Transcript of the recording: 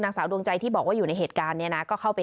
สาวดวงใจที่บอกว่าอยู่ในเหตุการณ์เนี่ยนะก็เข้าไป